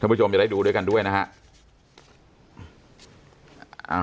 ผู้ชมจะได้ดูด้วยกันด้วยนะฮะ